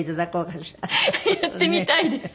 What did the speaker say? やってみたいです。